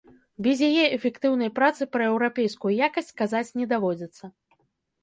Без яе эфектыўнай працы пра еўрапейскую якасць казаць не даводзіцца.